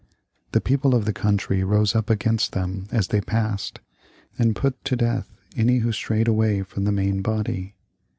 The people of the country rose up against them as they passed, and put to death any who strayed away from the main body.